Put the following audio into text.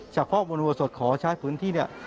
เฉพาะบริวสศขอใช้พื้นที่